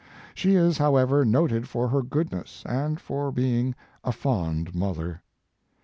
She is, however, noted for her goodness and for being a fond mother.